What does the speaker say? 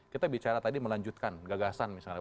kita bicara tadi melanjutkan gagasan misalnya